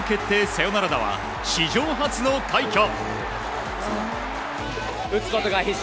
サヨナラ打は史上初の快挙。